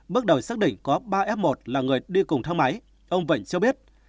bước đầu xác định có ba f một là người đi cùng thang máy ông vẹn cho biết